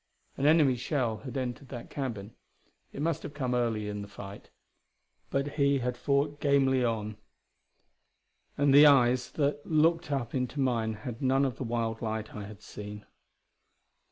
An enemy shell had entered that cabin; it must have come early in the fight, but he had fought gamely on. And the eyes that looked up into mine had none of the wild light I had seen.